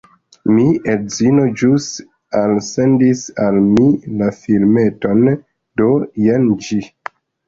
Mi edzino ĵus alsendis al mi la filmeton, do jen ĝi: